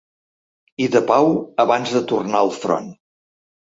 I de pau abans de tornar al front.